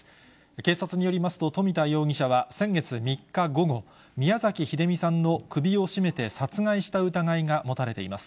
警察によりますと、冨田容疑者は先月３日午後、宮崎英美さんの首を絞めて殺害した疑いが持たれています。